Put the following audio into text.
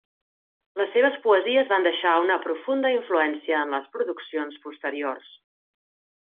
Les seves poesies van deixar una profunda influència en les produccions posteriors.